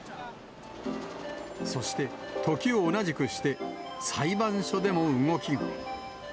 そして、時を同じくして、裁判所でも動きが。